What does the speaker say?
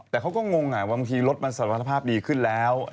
แต่เขาก็งงบางทีรถมันสารภาพดีขึ้นแล้ว